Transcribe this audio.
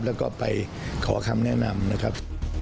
แล้วก็ไปขอคำแนะนำนะครับ